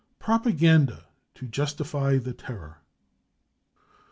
Propaganda to Justify the Terror.